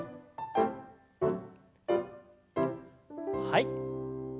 はい。